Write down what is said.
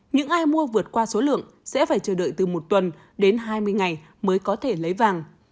những ai mua vượt qua số lượng sẽ phải chờ đợi từ một tuần đến hai mươi ngày mới có thể lấy vàng